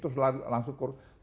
terus langsung korupsi